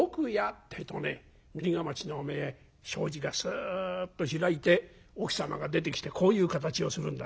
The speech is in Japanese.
ってえとねねり框の障子がすっと開いて奥様が出てきてこういう形をするんだ。